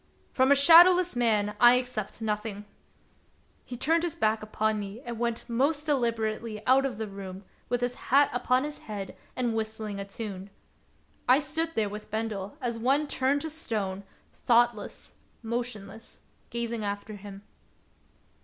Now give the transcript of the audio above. " From a shadowless man I accept nothing !" He turned his back upon me and went most deliberately out of the room, with his hat upon his head and whistling a tune. I stood there with Bendel as one turned to stone, thoughtless, motionless, gazing after him.